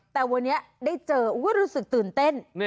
แต่วันนี้ได้เจอรู้สึกตื่นเต้น